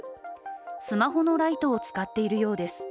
スマホのライトを使っているようです。